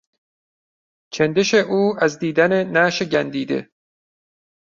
چندش او از دیدن نعش گندیده